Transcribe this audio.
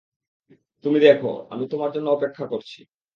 তুমি দেখো, আমি তোমার জন্য অপেক্ষা করছি।